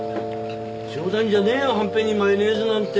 冗談じゃねえよはんぺんにマヨネーズなんて。